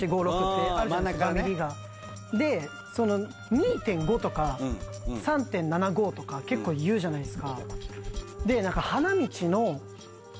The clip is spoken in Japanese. ２．５とか３．７５とか結構言うじゃないですか。